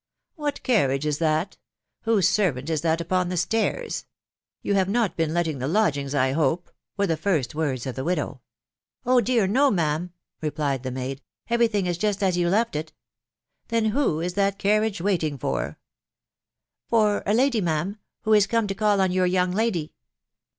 '' What carriage is that ?...„ Whose servant is that upon the stairs ?..•. You have not been letting the lodgings, I hope ?" were the first words of the widow. " Oh ! dear no, ma'am f " replied the maid ;#* every thing is just as you left it." " Then who is that carriage waiting for ?"" For a lady, ma'am, who is come to call on your young lady."